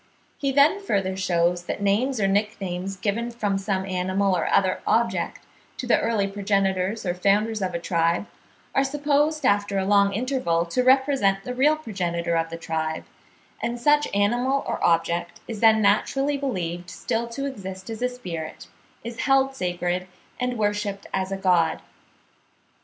He then further shews that names or nicknames given from some animal or other object, to the early progenitors or founders of a tribe, are supposed after a long interval to represent the real progenitor of the tribe; and such animal or object is then naturally believed still to exist as a spirit, is held sacred, and worshipped as a god.